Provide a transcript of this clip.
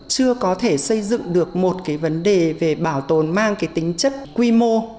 chưa có thể xây dựng được một cái vấn đề về bảo tồn mang cái tính chất quy mô